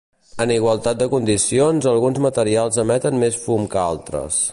En igualtat de condicions alguns materials emeten més fum que altres.